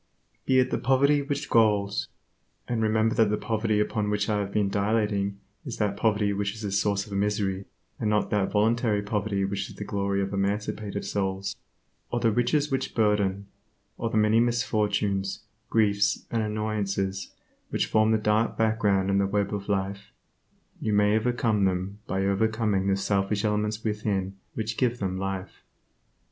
Be it the poverty which galls (and remember that the poverty upon which I have been dilating is that poverty which is a source of misery, and not that voluntary poverty which is the glory of emancipated souls), or the riches which burden, or the many misfortunes, griefs, and annoyances which form the dark background in the web of life, you may overcome them by overcoming the selfish elements within which give them life.